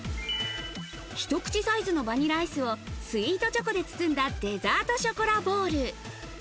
ひと口サイズのバニラアイスをスイートチョコで包んだデザートショコラボール。